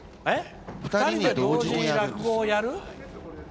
２人で同時に落語をやる？